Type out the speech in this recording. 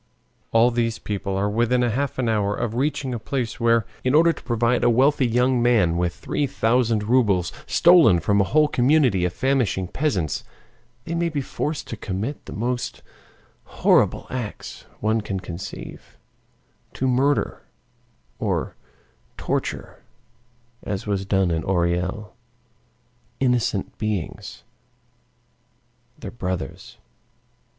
All these people are within half an hour of reaching the place where, in order to provide a wealthy young man with three thousand rubles stolen from a whole community of famishing peasants, they may be forced to commit the most horrible acts one can conceive, to murder or torture, as was done in Orel, innocent beings, their brothers.